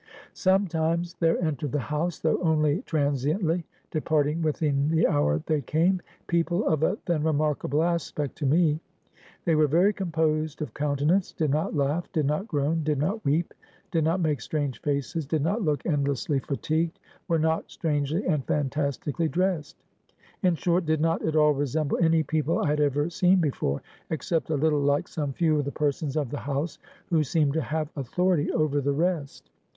"Sometimes there entered the house though only transiently, departing within the hour they came people of a then remarkable aspect to me. They were very composed of countenance; did not laugh; did not groan; did not weep; did not make strange faces; did not look endlessly fatigued; were not strangely and fantastically dressed; in short, did not at all resemble any people I had ever seen before, except a little like some few of the persons of the house, who seemed to have authority over the rest.